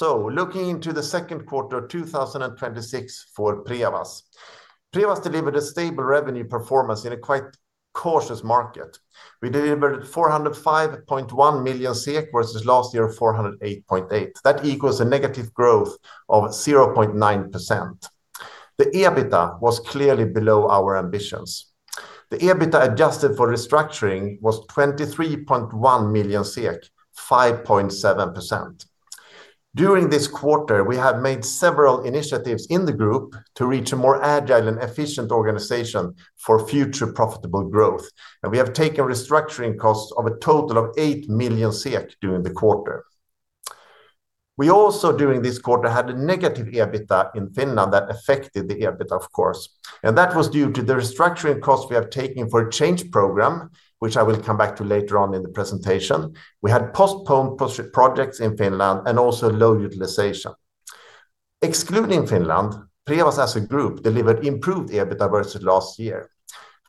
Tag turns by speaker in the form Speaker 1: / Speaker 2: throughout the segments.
Speaker 1: Looking into the second quarter of 2026 for Prevas. Prevas delivered a stable revenue performance in a quite cautious market. We delivered 405.1 million SEK versus last year, 408.8. That equals a negative growth of 0.9%. The EBITDA was clearly below our ambitions. The EBITDA adjusted for restructuring was 23.1 million SEK, 5.7%. During this quarter, we have made several initiatives in the group to reach a more agile and efficient organization for future profitable growth. We have taken restructuring costs of a total of 8 million SEK during the quarter. We also, during this quarter, had a negative EBITDA in Finland that affected the EBITDA, of course, and that was due to the restructuring costs we have taken for a change program, which I will come back to later on in the presentation. We had postponed projects in Finland and also low utilization. Excluding Finland, Prevas as a group delivered improved EBITDA versus last year.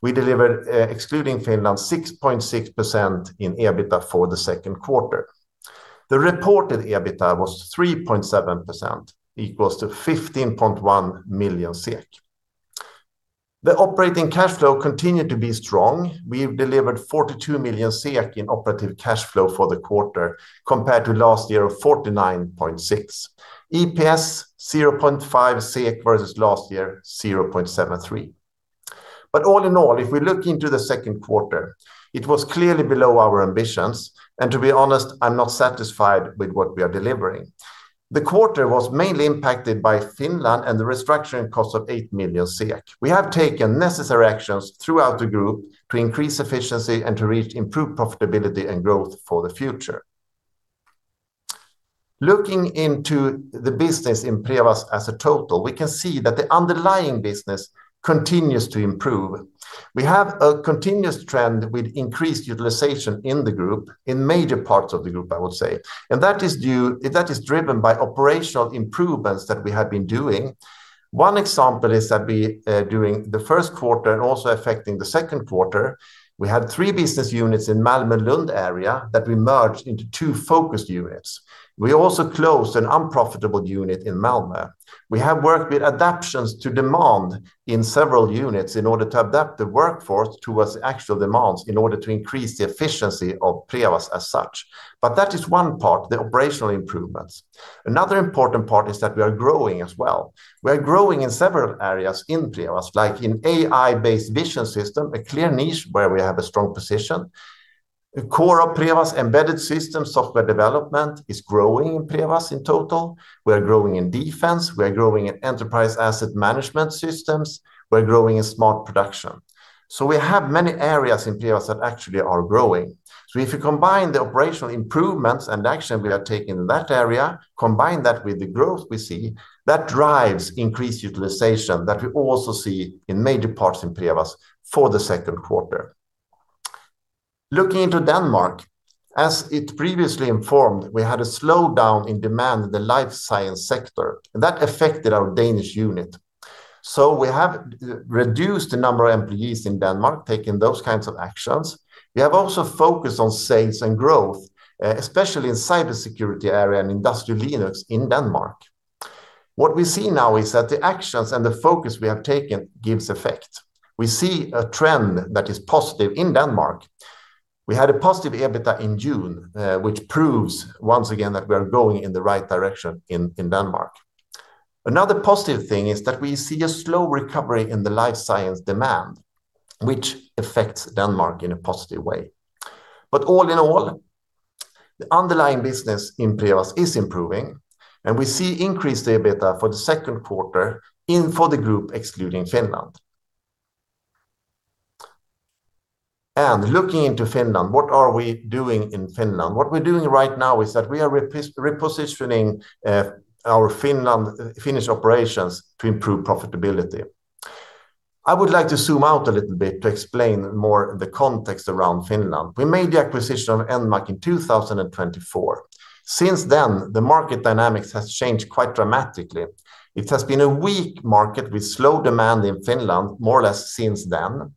Speaker 1: We delivered, excluding Finland, 6.6% in EBITDA for the second quarter. The reported EBITDA was 3.7%, equals to 15.1 million SEK. The operating cash flow continued to be strong. We've delivered 42 million SEK in operative cash flow for the quarter, compared to last year, 49.6. EPS 0.5 SEK versus last year, 0.73. All in all, if we look into the second quarter, it was clearly below our ambitions, and to be honest, I'm not satisfied with what we are delivering. The quarter was mainly impacted by Finland and the restructuring cost of 8 million SEK. We have taken necessary actions throughout the group to increase efficiency and to reach improved profitability and growth for the future. Looking into the business in Prevas as a total, we can see that the underlying business continues to improve. We have a continuous trend with increased utilization in the group, in major parts of the group, I would say. That is driven by operational improvements that we have been doing. One example is that we, doing the first quarter and also affecting the second quarter, we had three business units in Malmö-Lund area that we merged into two focused units. We also closed an unprofitable unit in Malmö. We have worked with adaptions to demand in several units in order to adapt the workforce towards the actual demands in order to increase the efficiency of Prevas as such. That is one part, the operational improvements. Another important part is that we are growing as well. We are growing in several areas in Prevas, like in AI-based vision system, a clear niche where we have a strong position. The core of Prevas embedded system software development is growing in Prevas in total. We are growing in defense. We are growing in enterprise asset management systems. We are growing in smart production. We have many areas in Prevas that actually are growing. If you combine the operational improvements and action we have taken in that area, combine that with the growth we see, that drives increased utilization that we also see in major parts in Prevas for the second quarter. Looking into Denmark, as it previously informed, we had a slowdown in demand in the life science sector, that affected our Danish unit. We have reduced the number of employees in Denmark, taking those kinds of actions. We have also focused on sales and growth, especially in cybersecurity area and industrial Linux in Denmark. What we see now is that the actions and the focus we have taken gives effect. We see a trend that is positive in Denmark. We had a positive EBITDA in June, which proves once again that we are going in the right direction in Denmark. Another positive thing is that we see a slow recovery in the life science demand, which affects Denmark in a positive way. All in all, the underlying business in Prevas is improving, and we see increased EBITDA for the second quarter in for the group excluding Finland. Looking into Finland, what are we doing in Finland? What we're doing right now is that we are repositioning our Finnish operations to improve profitability. I would like to zoom out a little bit to explain more the context around Finland. We made the acquisition of Enmac in 2024. Since then, the market dynamics has changed quite dramatically. It has been a weak market with slow demand in Finland, more or less since then,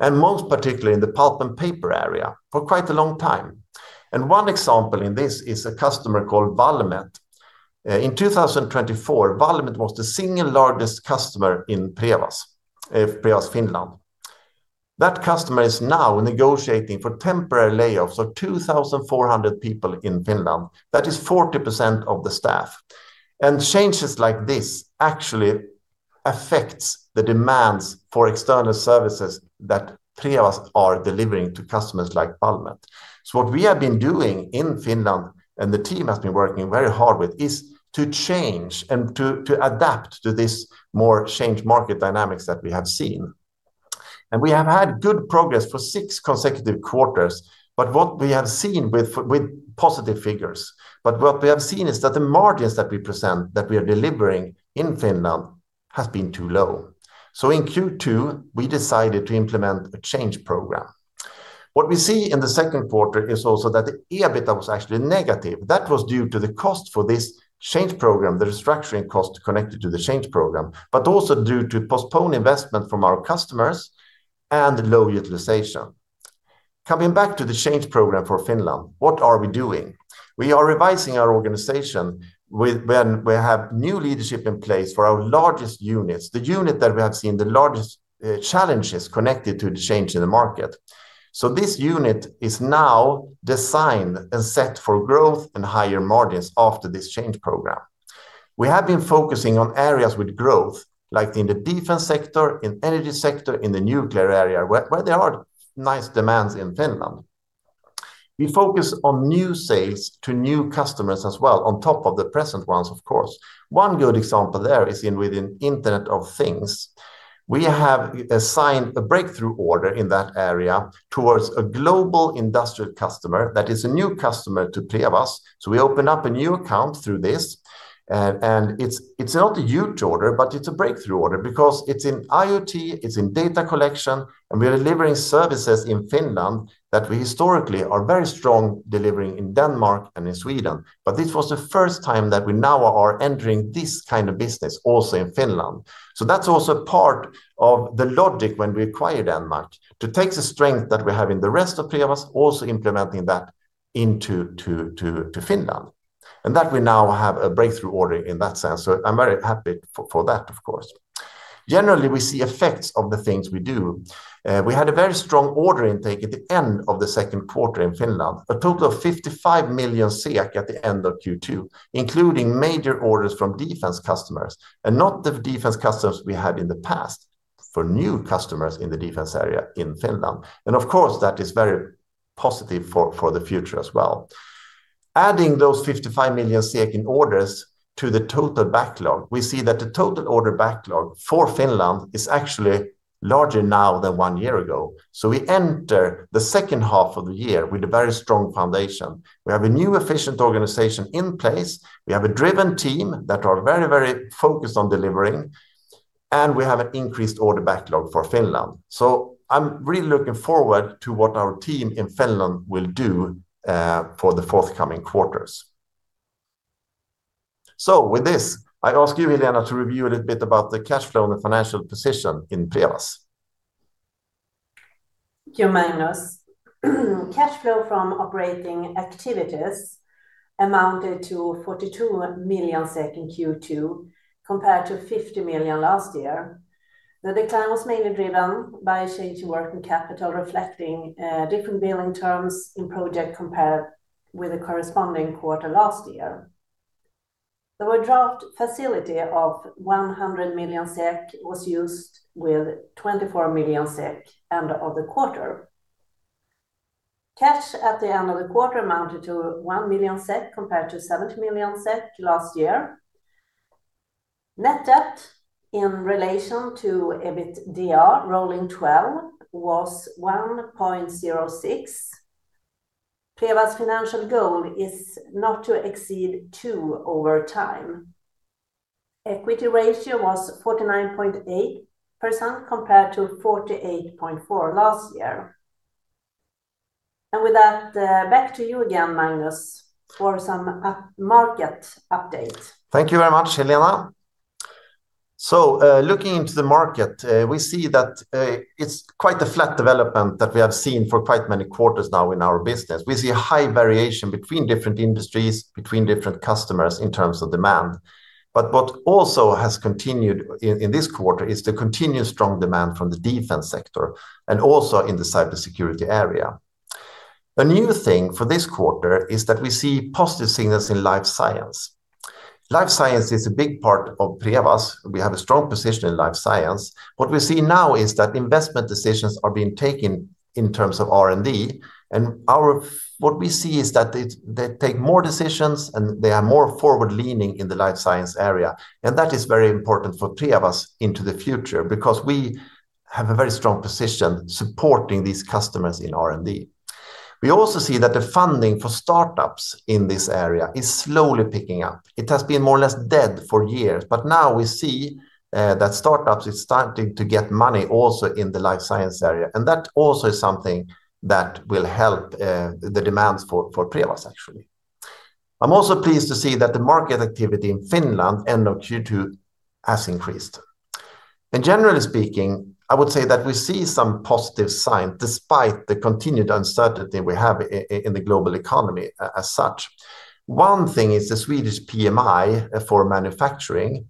Speaker 1: and most particularly in the pulp and paper area for quite a long time. One example in this is a customer called Valmet. In 2024, Valmet was the single largest customer in Prevas Finland. That customer is now negotiating for temporary layoffs of 2,400 people in Finland. That is 40% of the staff. Changes like this actually affects the demands for external services that Prevas are delivering to customers like Valmet. What we have been doing in Finland and the team has been working very hard with, is to change and to adapt to this more changed market dynamics that we have seen. We have had good progress for six consecutive quarters with positive figures. What we have seen is that the margins that we present, that we are delivering in Finland has been too low. In Q2, we decided to implement a change program. What we see in the second quarter is also that the EBITDA was actually negative. That was due to the cost for this change program, the restructuring cost connected to the change program, but also due to postponed investment from our customers and low utilization. Coming back to the change program for Finland, what are we doing? We are revising our organization. We have new leadership in place for our largest units, the unit that we have seen the largest challenges connected to the change in the market. This unit is now designed and set for growth and higher margins after this change program. We have been focusing on areas with growth, like in the defense sector, in energy sector, in the nuclear area, where there are nice demands in Finland. We focus on new sales to new customers as well, on top of the present ones, of course. One good example there is within Internet of Things. We have assigned a breakthrough order in that area towards a global industrial customer that is a new customer to Prevas. We open up a new account through this, and it's not a huge order, but it's a breakthrough order because it's in IoT, it's in data collection, and we are delivering services in Finland that we historically are very strong delivering in Denmark and in Sweden. This was the first time that we now are entering this kind of business also in Finland. That's also part of the logic when we acquired Denmark, to take the strength that we have in the rest of Prevas, also implementing that into Finland, and that we now have a breakthrough order in that sense. I'm very happy for that, of course. Generally, we see effects of the things we do. We had a very strong order intake at the end of the second quarter in Finland, a total of 55 million SEK at the end of Q2, including major orders from defense customers, not the defense customers we had in the past, for new customers in the defense area in Finland. Of course, that is very positive for the future as well. Adding those 55 million in orders to the total backlog, we see that the total order backlog for Finland is actually larger now than one year ago. We enter the second half of the year with a very strong foundation. We have a new efficient organization in place. We have a driven team that are very focused on delivering, and we have an increased order backlog for Finland. I'm really looking forward to what our team in Finland will do for the forthcoming quarters. With this, I ask you, Helena, to review a little bit about the cash flow and the financial position in Prevas.
Speaker 2: Thank you, Magnus. Cash flow from operating activities amounted to 42 million SEK in Q2 compared to 50 million last year. The decline was mainly driven by a change in working capital reflecting different billing terms in project compared with the corresponding quarter last year. The overdraft facility of 100 million SEK was used with 24 million SEK end of the quarter. Cash at the end of the quarter amounted to 1 million SEK compared to 70 million SEK last year. Net debt in relation to EBITDA rolling 12 was 1.06. Prevas financial goal is not to exceed two over time. Equity ratio was 49.8% compared to 48.4% last year. With that, back to you again, Magnus, for some market update.
Speaker 1: Thank you very much, Helena. Looking into the market, we see that it's quite a flat development that we have seen for quite many quarters now in our business. We see a high variation between different industries, between different customers in terms of demand. What also has continued in this quarter is the continued strong demand from the defense sector and also in the cybersecurity area. A new thing for this quarter is that we see positive signals in life science. Life science is a big part of Prevas. We have a strong position in life science. What we see now is that investment decisions are being taken in terms of R&D. What we see is that they take more decisions, and they are more forward-leaning in the life science area. That is very important for Prevas into the future because we have a very strong position supporting these customers in R&D. We also see that the funding for startups in this area is slowly picking up. It has been more or less dead for years, but now we see that startups is starting to get money also in the life science area. That also is something that will help the demands for Prevas, actually. I am also pleased to see that the market activity in Finland end of Q2 has increased. Generally speaking, I would say that we see some positive sign despite the continued uncertainty we have in the global economy as such. One thing is the Swedish PMI for manufacturing.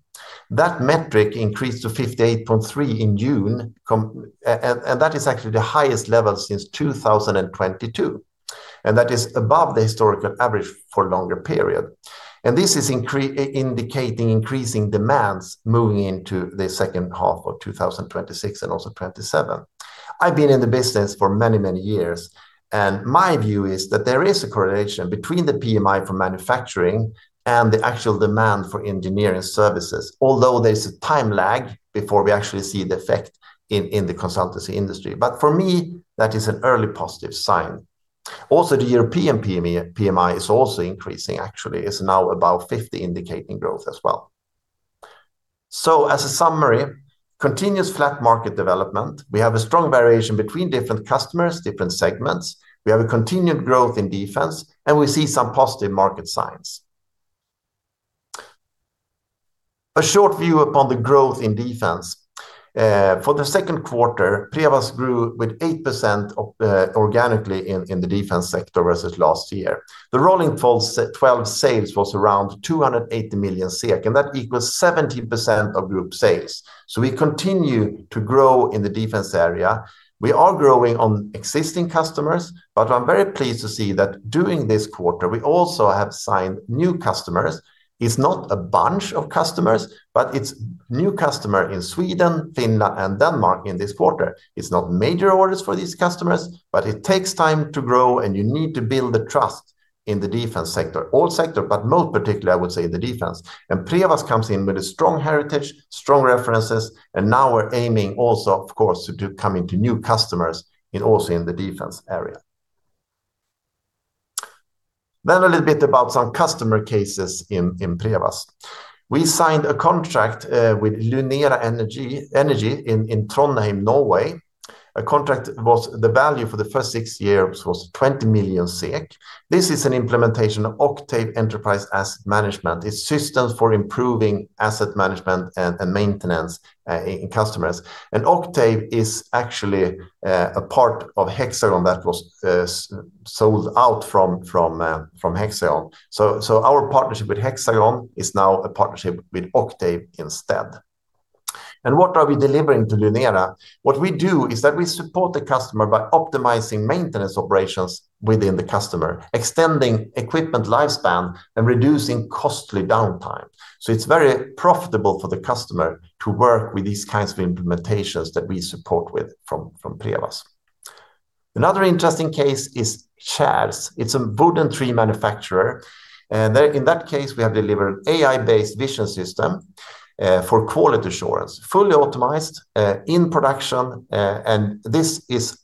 Speaker 1: That metric increased to 58.3 in June, and that is actually the highest level since 2022, and that is above the historical average for a longer period. This is indicating increasing demands moving into the second half of 2026 and also 2027. I have been in the business for many years, and my view is that there is a correlation between the PMI for manufacturing and the actual demand for engineering services, although there is a time lag before we actually see the effect in the consultancy industry. But for me, that is an early positive sign. Also, the European PMI is also increasing, actually. It's now above 50, indicating growth as well. As a summary, continuous flat market development. We have a strong variation between different customers, different segments. We have a continued growth in defense, and we see some positive market signs. A short view upon the growth in defense. For the second quarter, Prevas grew with 8% organically in the defense sector versus last year. The rolling 12 sales was around 280 million SEK, and that equals 17% of group sales. We continue to grow in the defense area. We are growing on existing customers, but I am very pleased to see that during this quarter, we also have signed new customers. It's not a bunch of customers, but it's new customer in Sweden, Finland, and Denmark in this quarter. It's not major orders for these customers, but it takes time to grow, and you need to build the trust in the defense sector. All sector, but most particularly, I would say, the defense. Prevas comes in with a strong heritage, strong references, and now we are aiming also, of course, to coming to new customers also in the defense area. Then a little bit about some customer cases in Prevas. We signed a contract with Lunera Energi in Trondheim, Norway. A contract was the value for the first six years was 20 million SEK. This is an implementation of Octave Enterprise Asset Management. It's systems for improving asset management and maintenance in customers. Octave is actually a part of Hexagon that was sold out from Hexagon. So our partnership with Hexagon is now a partnership with Octave instead. What are we delivering to Lunera? What we do is that we support the customer by optimizing maintenance operations within the customer, extending equipment lifespan and reducing costly downtime. It's very profitable for the customer to work with these kinds of implementations that we support with from Prevas. Another interesting case is Kährs. It's a wooden tree manufacturer. In that case, we have delivered AI-based vision system for quality assurance, fully optimized, in production. This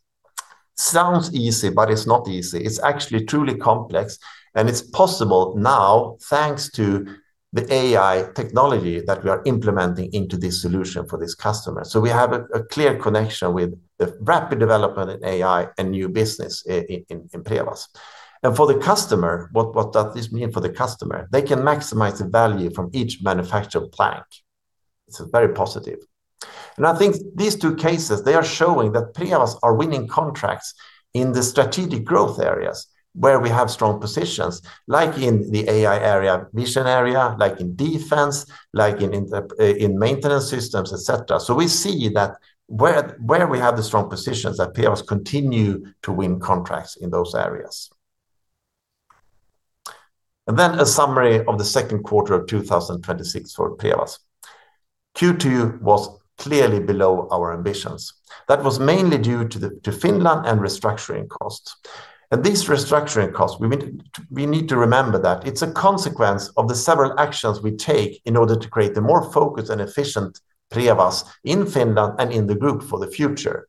Speaker 1: sounds easy, but it's not easy. It's actually truly complex, and it's possible now, thanks to the AI technology that we are implementing into this solution for this customer. We have a clear connection with the rapid development in AI and new business in Prevas. For the customer, what does this mean for the customer? They can maximize the value from each manufactured plank. It's very positive. I think these two cases, they are showing that Prevas are winning contracts in the strategic growth areas where we have strong positions, like in the AI area, vision area, like in defense, like in maintenance systems, et cetera. We see that where we have the strong positions that Prevas continue to win contracts in those areas. A summary of the second quarter of 2026 for Prevas. Q2 was clearly below our ambitions. That was mainly due to Finland and restructuring costs. These restructuring costs, we need to remember that it's a consequence of the several actions we take in order to create a more focused and efficient Prevas in Finland and in the group for the future.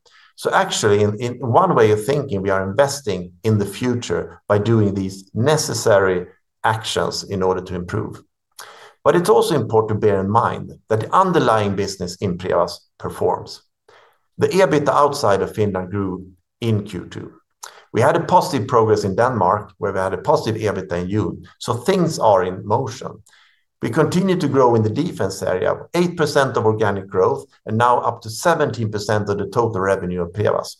Speaker 1: Actually, in one way of thinking, we are investing in the future by doing these necessary actions in order to improve. It's also important to bear in mind that underlying business in Prevas performs. The EBIT outside of Finland grew in Q2. We had a positive progress in Denmark, where we had a positive EBIT in June. Things are in motion. We continue to grow in the defense area, 8% of organic growth, and now up to 17% of the total revenue of Prevas.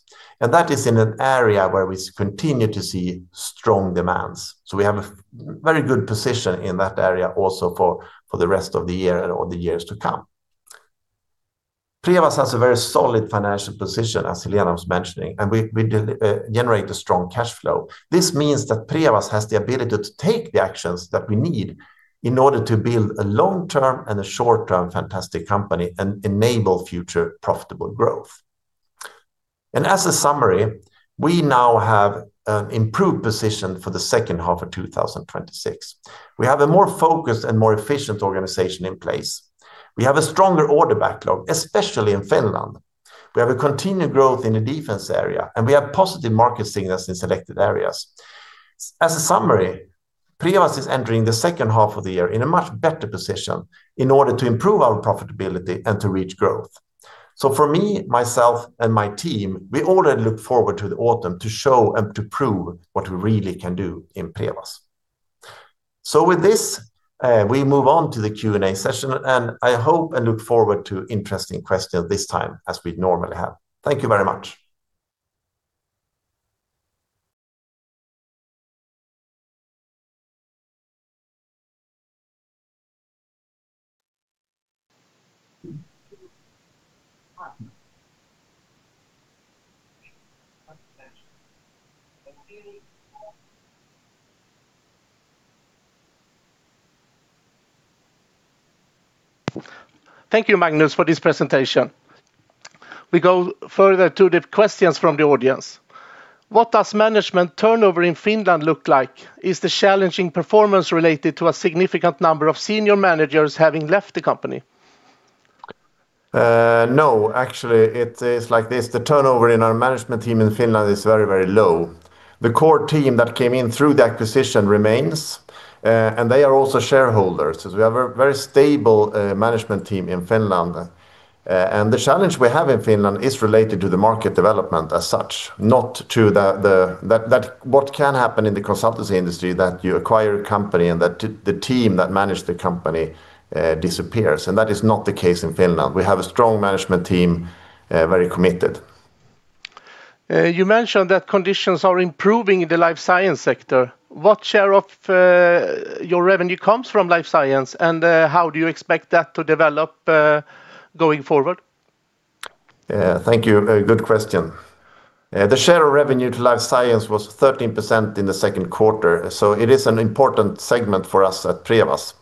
Speaker 1: That is in an area where we continue to see strong demands. We have a very good position in that area also for the rest of the year or the years to come. Prevas has a very solid financial position, as Helena was mentioning, and we generate a strong cash flow. This means that Prevas has the ability to take the actions that we need in order to build a long-term and a short-term fantastic company and enable future profitable growth. As a summary, we now have an improved position for the second half of 2026. We have a more focused and more efficient organization in place. We have a stronger order backlog, especially in Finland. We have a continued growth in the defense area, and we have positive market signals in selected areas. As a summary, Prevas is entering the second half of the year in a much better position in order to improve our profitability and to reach growth. For me, myself, and my team, we already look forward to the autumn to show and to prove what we really can do in Prevas. With this, we move on to the Q&A session, and I hope and look forward to interesting questions this time as we normally have. Thank you very much.
Speaker 3: Thank you, Magnus, for this presentation. We go further to the questions from the audience. What does management turnover in Finland look like? Is the challenging performance related to a significant number of senior managers having left the company?
Speaker 1: No, actually, it is like this. The turnover in our management team in Finland is very low. The core team that came in through the acquisition remains, and they are also shareholders. We have a very stable management team in Finland. The challenge we have in Finland is related to the market development as such, not to what can happen in the consultancy industry that you acquire a company and that the team that managed the company disappears. That is not the case in Finland. We have a strong management team, very committed.
Speaker 3: You mentioned that conditions are improving in the life science sector. What share of your revenue comes from life science, and how do you expect that to develop going forward?
Speaker 1: Thank you. A good question. The share of revenue to life science was 13% in the second quarter, it is an important segment for us at Prevas.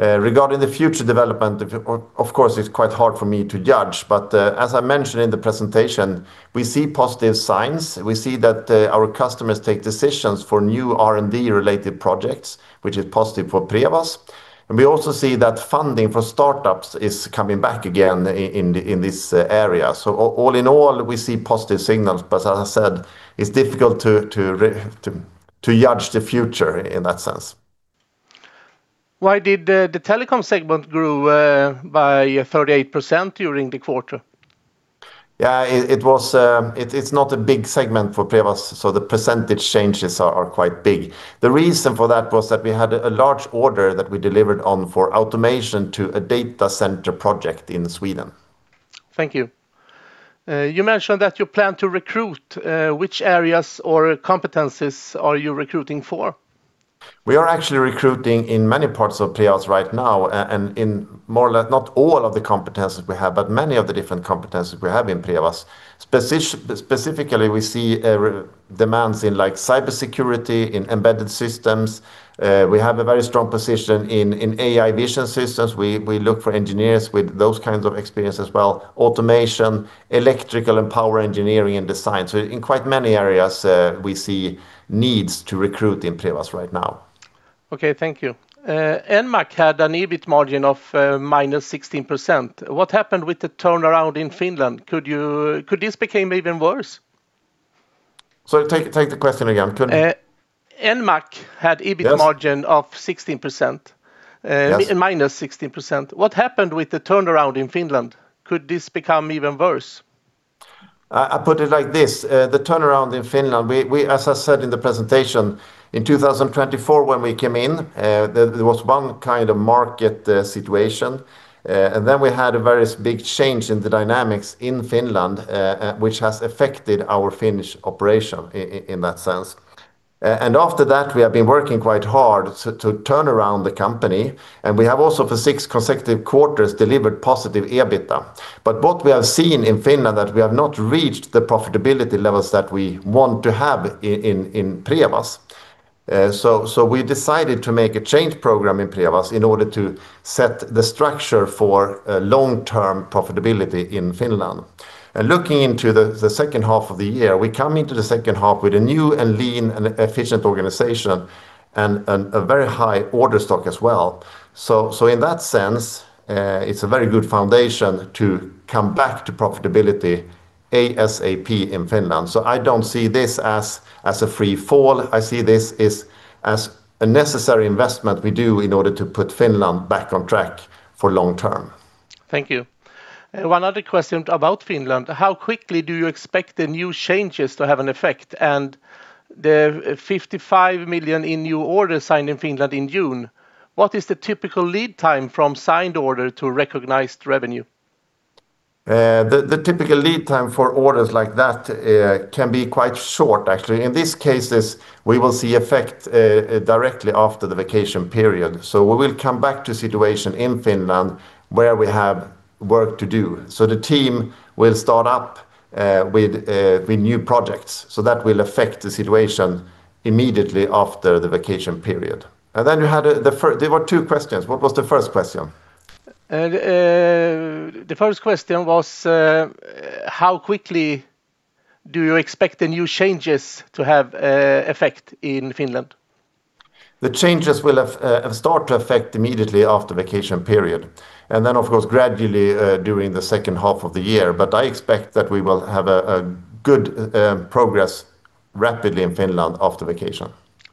Speaker 1: Regarding the future development, of course, it's quite hard for me to judge. As I mentioned in the presentation, we see positive signs. We see that our customers make decisions for new R&D-related projects, which is positive for Prevas. We also see that funding for startups is coming back again in this area. All in all, we see positive signals. As I said, it's difficult to judge the future in that sense.
Speaker 3: Why did the telecom segment grow by 38% during the quarter?
Speaker 1: It's not a big segment for Prevas, so the percentage changes are quite big. The reason for that was that we had a large order that we delivered on for automation to a data center project in Sweden.
Speaker 3: Thank you. You mentioned that you plan to recruit. Which areas or competencies are you recruiting for?
Speaker 1: We are actually recruiting in many parts of Prevas right now, and in more or less not all of the competencies we have, but many of the different competencies we have in Prevas. Specifically, we see demands in cybersecurity, in embedded systems. We have a very strong position in AI vision systems. We look for engineers with those kinds of experience as well, automation, electrical and power engineering, and design. In quite many areas, we see needs to recruit in Prevas right now.
Speaker 3: Okay, thank you. Enmac had an EBIT margin of 16%. What happened with the turnaround in Finland? Could this become even worse?
Speaker 1: Sorry, take the question again.
Speaker 3: Enmac.
Speaker 1: Yes.
Speaker 3: EBIT margin of 16%.
Speaker 1: Yes.
Speaker 3: What happened with the turnaround in Finland? Could this become even worse?
Speaker 1: I put it like this. The turnaround in Finland, as I said in the presentation, in 2024, when we came in, there was one kind of market situation. Then we had a very big change in the dynamics in Finland, which has affected our Finnish operation in that sense. After that, we have been working quite hard to turn around the company. We have also for six consecutive quarters, delivered positive EBITDA. What we have seen in Finland, that we have not reached the profitability levels that we want to have in Prevas. We decided to make a change program in Prevas in order to set the structure for long-term profitability in Finland. Looking into the second half of the year, we come into the second half with a new and lean and efficient organization, and a very high order stock as well. In that sense, it's a very good foundation to come back to profitability ASAP in Finland. I don't see this as a free fall. I see this as a necessary investment we do in order to put Finland back on track for long term.
Speaker 3: Thank you. One other question about Finland. How quickly do you expect the new changes to have an effect? The 55 million in new orders signed in Finland in June, what is the typical lead time from signed order to recognized revenue?
Speaker 1: The typical lead time for orders like that can be quite short, actually. In these cases, we will see effect directly after the vacation period. We will come back to situation in Finland where we have work to do. The team will start up with new projects. That will affect the situation immediately after the vacation period. There were two questions. What was the first question?
Speaker 3: The first question was, how quickly do you expect the new changes to have effect in Finland?
Speaker 1: The changes will have started to effect immediately after vacation period, of course, gradually during the second half of the year. I expect that we will have a good progress rapidly in Finland after vacation.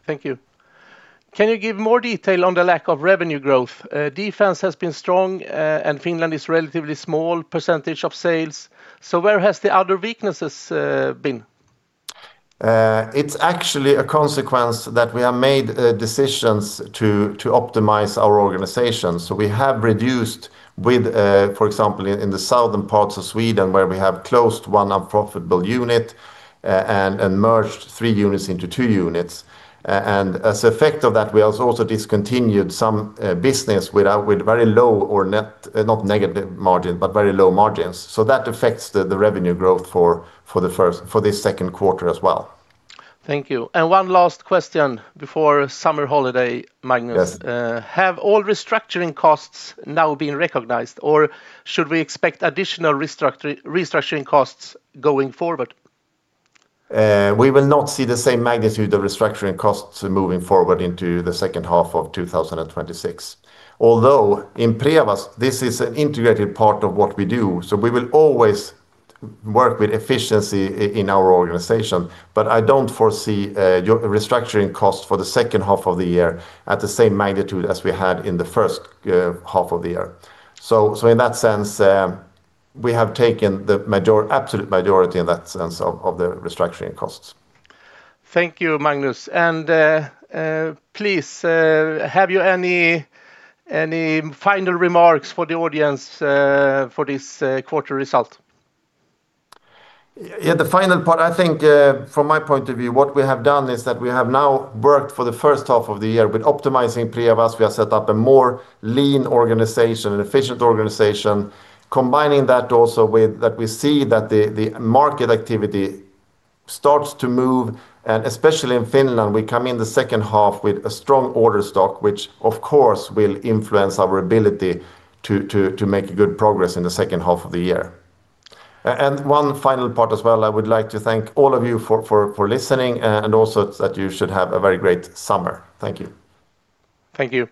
Speaker 3: Thank you. Can you give more detail on the lack of revenue growth? Defense has been strong, Finland is a relatively small percentage of sales. Where have the other weaknesses been?
Speaker 1: It's actually a consequence that we have made decisions to optimize our organization. We have reduced with, for example, in the southern parts of Sweden, where we have closed one unprofitable unit and merged three units into two units. As effect of that, we have also discontinued some business with very low or net, not negative margin, but very low margins. That affects the revenue growth for this second quarter as well.
Speaker 3: Thank you. One last question before summer holiday, Magnus.
Speaker 1: Yes.
Speaker 3: Have all restructuring costs now been recognized, or should we expect additional restructuring costs going forward?
Speaker 1: We will not see the same magnitude of restructuring costs moving forward into the second half of 2026. Although in Prevas, this is an integrated part of what we do, so we will always work with efficiency in our organization. I don't foresee a restructuring cost for the second half of the year at the same magnitude as we had in the first half of the year. In that sense, we have taken the absolute majority in that sense of the restructuring costs.
Speaker 3: Thank you, Magnus. Please, have you any final remarks for the audience for this quarter result?
Speaker 1: Yeah. The final part, I think from my point of view, what we have done is that we have now worked for the first half of the year with optimizing Prevas. We have set up a more lean organization and efficient organization. Combining that also with that we see that the market activity starts to move, especially in Finland, we come in the second half with a strong order stock, which of course will influence our ability to make good progress in the second half of the year. One final part as well, I would like to thank all of you for listening, and also that you should have a very great summer. Thank you.
Speaker 3: Thank you